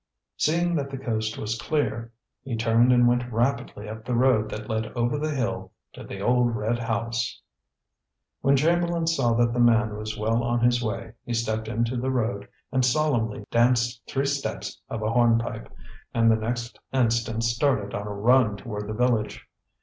Seeing that the coast was clear, he turned and went rapidly up the road that led over the hill to the old red house. When Chamberlain saw that the man was well on his way he stepped into the road and solemnly danced three steps of a hornpipe, and the next instant started on a run toward the village.